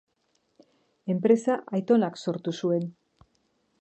Enpresa aitonak sortu zuen.